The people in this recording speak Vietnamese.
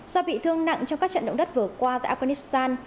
do bị thương nặng trong các trận động đất vừa qua tại afghanistan